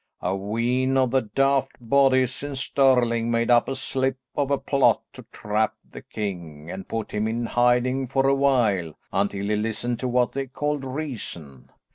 A wheen of the daft bodies in Stirling made up a slip of a plot to trap the king and put him in hiding for a while until he listened to what they called reason.